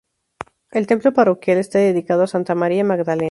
El templo parroquial está dedicado a Santa María Magdalena.